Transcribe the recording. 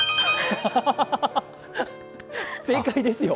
正解ですよ。